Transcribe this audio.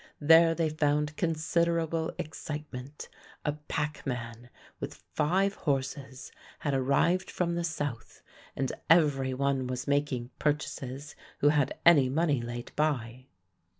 There they found considerable excitement; a packman with five horses had arrived from the south and every one was making purchases who had any money laid by.